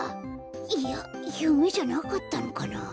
いやゆめじゃなかったのかな？